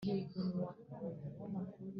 basambana n Abamowabu